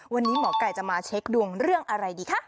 วันนี้หมอไก่จะมาเช็คดวงเรื่องอะไรดีคะ